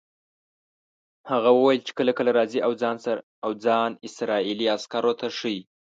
هغه وویل چې کله کله راځي او ځان اسرائیلي عسکرو ته ښیي.